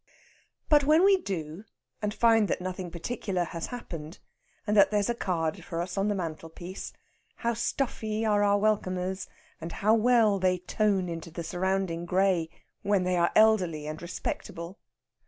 But when we do and find that nothing particular has happened, and that there's a card for us on the mantelpiece, how stuffy are our welcomers, and how well they tone into the surrounding grey when they are elderly and respectable?